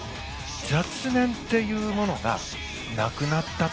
雑念というものがなくなった。